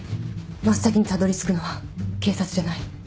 真っ先にたどりつくのは警察じゃない。